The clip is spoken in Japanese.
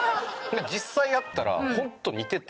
実際会ったらホント似てて。